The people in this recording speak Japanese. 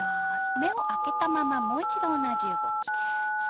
目をを開けたままもう一度同じ動きです。